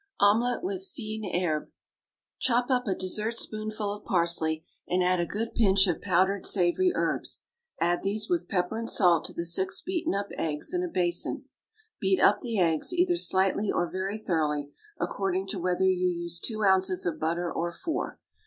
OMELET WITH FINE HERBS. Chop up a dessertspoonful of parsley, and add a good pinch of powdered savoury herbs, add these with pepper and salt to the six beaten up eggs in a basin. Beat up the eggs, either slightly or very thoroughly, according to whether you use two ounces of butter or four.